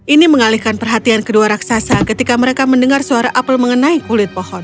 ini mengalihkan perhatian kedua raksasa ketika mereka mendengar suara apel mengenai kulit pohon